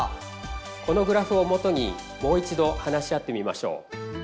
このグラフをもとにもう一度話し合ってみましょう。